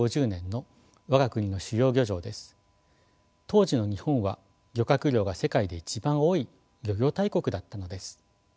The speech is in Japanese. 当時の日本は漁獲量が世界で一番多い漁業大国だったのです。